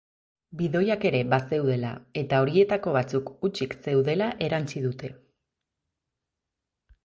Bidoiak ere bazeudela eta horietako batzuk hutsik zeudela erantsi dute.